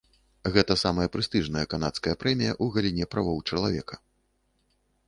Гэта самая прэстыжная канадская прэмія ў галіне правоў чалавека.